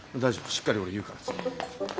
しっかり俺言うから次。